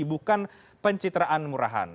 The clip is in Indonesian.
bukan pencitraan murahan